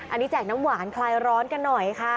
อันนี้แจกน้ำหวานคลายร้อนกันหน่อยค่ะ